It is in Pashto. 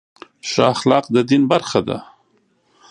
ښه اخلاق د دین برخه ده.